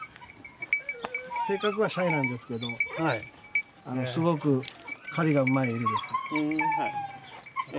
性格はシャイなんですけどすごく狩りがうまい犬です。